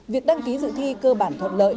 việc đăng ký dự thi cơ bản thuận lợi